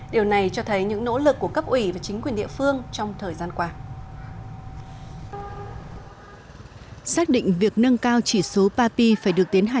điều này cho thấy những nỗ lực của cấp ủy và chính quyền địa phương trong thời gian qua